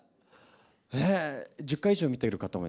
えー、１０回以上見ている方は？